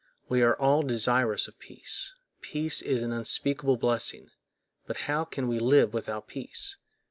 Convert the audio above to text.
We are all desirous of peace; peace is an unspeakable blessing; how can we live without peace?